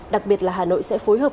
đặc biệt là hà nội sẽ phối hợp